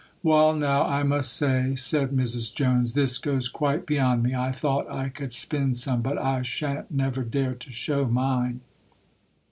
'Wall, now, I must say,' said Mrs. Jones, 'this goes quite beyond me. I thought I could spin some; but I shan't never dare to show mine.